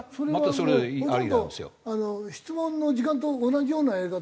それはもうほとんど質問の時間と同じようなやり方？